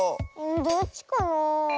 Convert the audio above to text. どっちかな？